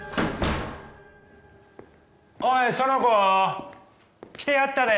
おいその子来てやったで。